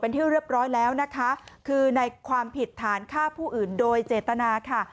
เป็นที่เรียบร้อยแล้วนะคะคือในความผิดฐานฆ่าผู้อื่นโดยเจตนาค่ะ